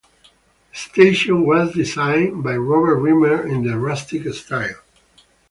The station was designed by Robert Reamer in the rustic style.